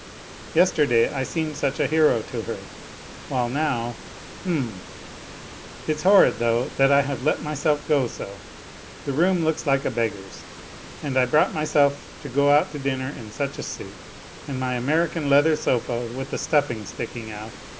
Yesterday I seemed such a hero to her, while now, h'm ! It's horrid, though, that I have let myself go so, the room looks like a beggar's. And I brought myself to go out to dinner in such a suit ! And my American leather sofa with the stuffing sticking out.